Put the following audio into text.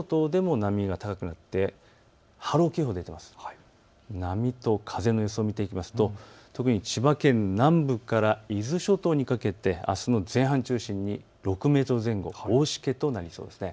波と風の予想を見ていくと特に千葉県南部から伊豆諸島にかけて、あすの前半を中心に６メートル前後、大しけとなりそうです。